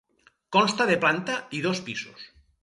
Consta de planta i dos pisos.